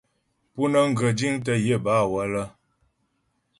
Pú nə́ŋ ghə jiŋtə́ yə bâ wələ.